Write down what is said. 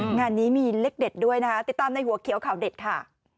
งานนี้มีเลขเด็ดด้วยนะคะติดตามในหัวเขียวข่าวเด็ดค่ะ